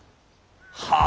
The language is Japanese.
はあ？